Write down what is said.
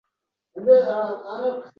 Uy sharoitida davolanayotgan bemorlar bor